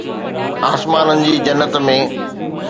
آسمانن جي جنت ۾